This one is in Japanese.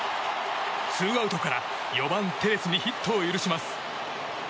ツーアウトから４番、テレスにヒットを許します。